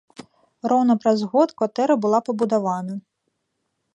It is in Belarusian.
Роўна праз год кватэра была пабудавана.